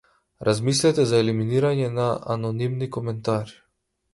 Размислете за елиминирање на анонимни коментари.